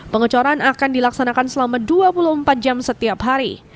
pengecoran akan dilaksanakan selama dua puluh empat jam setiap hari